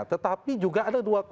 tetapi juga ada dua